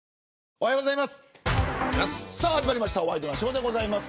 おはようございます。